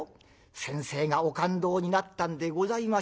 先生がお勘当になったんでございましょう。